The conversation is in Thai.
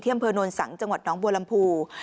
เที่ยมเภอโนรสังจังหวัดหนองบัวลำภู